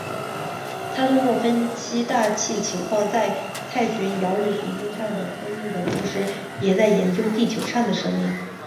他通过分析大气情况在探寻遥远行星上的生命的同时也在研究地球上的生命。